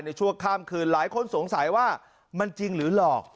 ชั่วข้ามคืนหลายคนสงสัยว่ามันจริงหรือหลอก